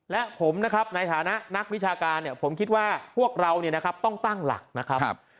และผมนะครับในฐานะนักวิชาการเนี่ยผมคิดว่าพวกเราต้องตั้งหลักนะครับ